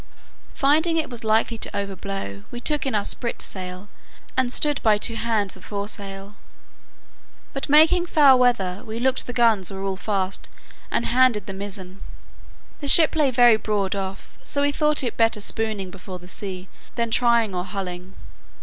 Finding it was likely to overblow, we took in our sprit sail, and stood by to hand the fore sail; but making foul weather, we looked the guns were all fast, and handed the mizen. The ship lay very broad off, so we thought it better spooning before the sea, than trying or hulling.